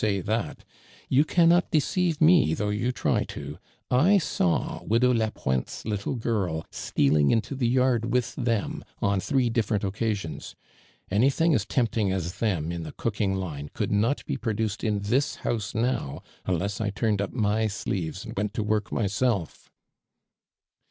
ny that. You cannot ■ deceive me, though you try to. I saw Widow Lupointe's little girl stealing into the yard •with them on three different occasions. Anything as tempting as them in the cook ing lino coulil not be prodticed in this house now, unless I turned up my sleeves and went to work myself."